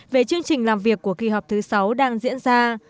về chương trình làm việc của kỳ họp thứ sáu đang diễn ra